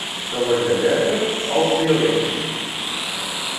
Dan worden wij werkelijk wat al te theoretisch.